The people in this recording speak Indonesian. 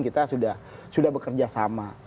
kita sudah bekerja sama